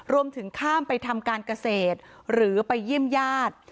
รวมถึงข้ามไปทำการเกษตรหรือไปเยี่ยมญาติ